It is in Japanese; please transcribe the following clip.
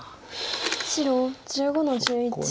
白１５の十一ツギ。